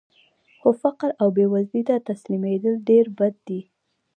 خو فقر او بېوزلۍ ته تسلیمېدل ډېر بد دي